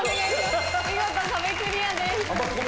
見事壁クリアです。